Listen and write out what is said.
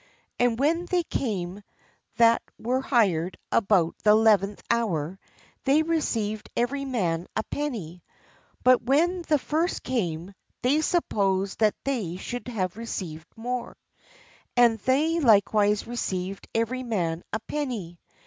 And when they came ms, mmzmmmmimmFymi V LABOURERS IN THE VINEYARD that were hired about the eleventh hour, they re ceived every man a penny. But when the first came, they supposed that they should have received more; and they likewise received every man a penny.